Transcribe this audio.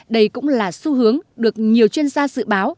đây cũng là xu hướng được nhiều chuyên gia dự báo